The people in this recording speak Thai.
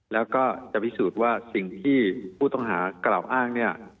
แล้วก็จะพิสูจน์ว่าสิ่งที่ผู้ต้องหากล่าวอ้างเนี่ย